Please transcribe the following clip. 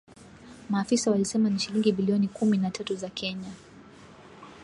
Maafisa walisema ni shilingi bilioni kumi na tatu za Kenya